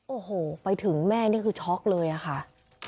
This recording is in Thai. โอ้โหไปถึงแม่นี่คือช็อกเลยอะค่ะ